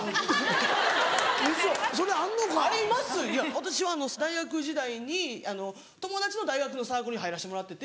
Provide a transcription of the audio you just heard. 私大学時代に友達の大学のサークルに入らしてもらってて。